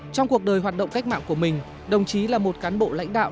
trong cuộc đời hoạt động cách mạng của mình đồng chí là một cán bộ lãnh đạo